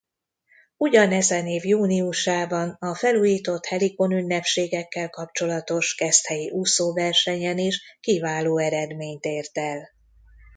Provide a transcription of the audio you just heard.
Ugyanezen év júniusában a felújított Helikon-ünnepségekkel kapcsolatos keszthelyi úszóversenyen is kiváló eredményt ért el.